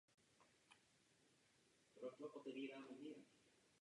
Pokud to nenastane, tak mi to odprezentuješ online osobně a dám ti zápočet.